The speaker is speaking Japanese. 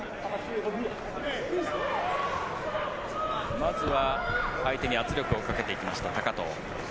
まずは相手に圧力をかけていきました高藤。